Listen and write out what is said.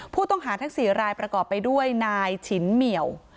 ผู้ต้องหาทั้ง๔รายประกอบไปด้วยนายฉินเหมียว